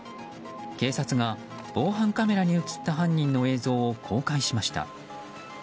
警察が防犯カメラに映った犯人の映像を公開しました。